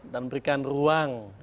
dan memberikan ruang